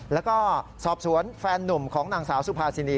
แล้วก็สอบสวนแฟนนุ่มของนางสาวสุภาษินี